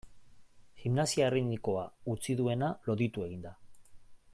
Gimnasia erritmikoa utzi duena loditu egin da.